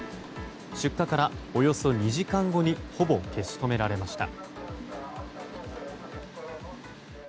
出火からおよそ２時間後にほぼ消し止められました。